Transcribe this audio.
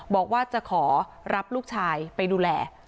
บอกว่าจะขอรับลูกชายไปดูแล